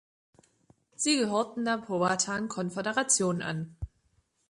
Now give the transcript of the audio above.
Sie gehörten der Powhatan-Konföderation an.